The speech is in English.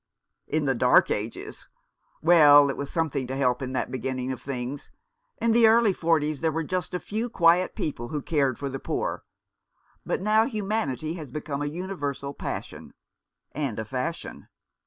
" In the dark ages. Well, it was something to help in that beginning of things. In the early forties there were just a few quiet people who cared for the poor ; but now humanity has become a universal passion " "And a fashion."